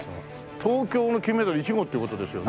東京の金メダル１号って事ですよね？